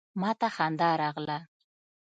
ما ته خندا راغله.